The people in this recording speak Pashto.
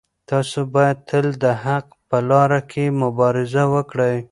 تاسو باید تل د حق په لاره کې مبارزه وکړئ.